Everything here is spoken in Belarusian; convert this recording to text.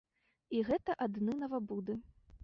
І гэта адны навабуды.